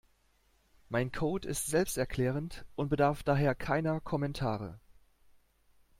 Mein Code ist selbsterklärend und bedarf daher keiner Kommentare.